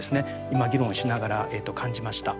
今議論しながら感じました。